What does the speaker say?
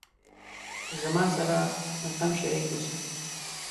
زما سره غم شریک اوسه